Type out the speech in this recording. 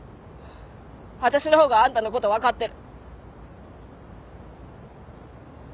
私の方があんたのこと分かってる。